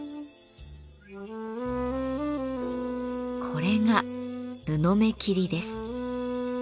これが布目切りです。